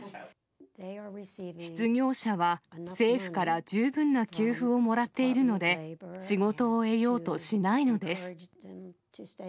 失業者は、政府から十分な給付をもらっているので、仕事を得ようとしないのです。